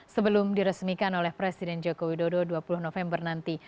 sebelum diresmikan oleh presiden joko widodo dua puluh november nanti